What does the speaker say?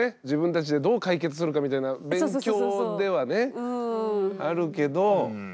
自分たちでどう解決するかみたいな勉強ではねあるけど。